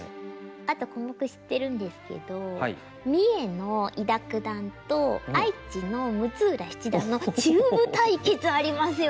あとコモク知ってるんですけど三重の伊田九段と愛知の六浦七段の中部対決ありますよね。